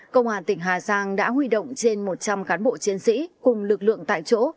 công an tỉnh hà giang đã huy động trên một trăm linh cán bộ chiến sĩ cùng lực lượng tại chỗ